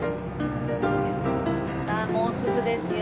もうすぐですよ。